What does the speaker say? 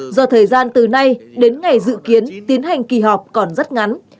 do thời gian từ nay đến ngày dự kiến tiến hành kỳ họp còn rất ngắn